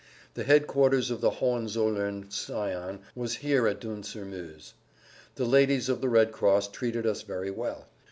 The headquarters of the Hohenzollern scion was here at Dun sur Meuse. The ladies of the Red Cross treated us very well.